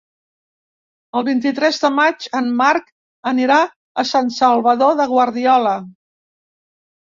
El vint-i-tres de maig en Marc anirà a Sant Salvador de Guardiola.